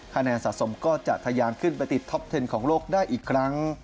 คะแนนสะสมก็จะทะยานขึ้นไปติดท็อปเทนของโลกได้อีกครั้ง